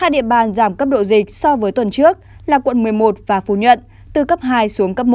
hai địa phương giảm cấp độ dịch so với tuần trước là quận một mươi một và phú nhận từ cấp hai xuống cấp một